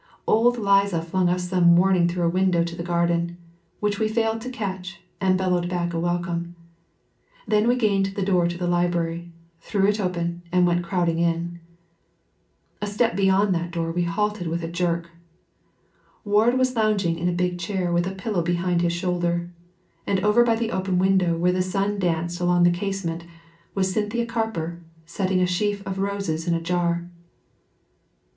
Old Liza flung us some warning through a window to the garden, which we failed to catch and bellowed back a welcome. Then we gained the door to the library, threw it open and went crowding in. A step beyond that door we halted with a jerk. Ward was lounging in a big chair with a pillow behind his shoulder, and over by the open window where the sun danced along the casement was Cynthia Carper setting a sheaf of roses in a jar.